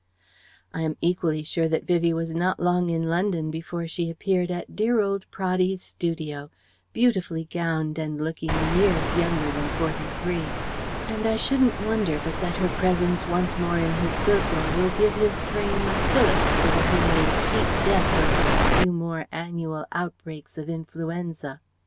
I am equally sure that Vivie was not long in London before she appeared at dear old Praddy's studio, beautifully gowned and looking years younger than forty three; and I shouldn't wonder but that her presence once more in his circle will give his frame a fillip so that he may cheat Death over a few more annual outbreaks of influenza.